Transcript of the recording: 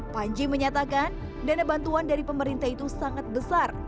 panji menyatakan dana bantuan dari pemerintah itu sangat besar